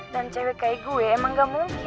dan cewek kayak gue emang ga mungkin mau sama dia